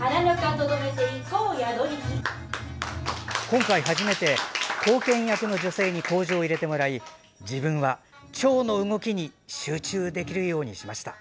今回初めて後見役の女性に口上を入れてもらい自分は、ちょうの動きに集中できるようにしました。